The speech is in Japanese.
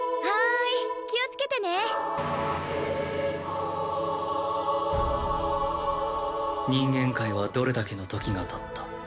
はーい気をつけてね人間界はどれだけの時がたった？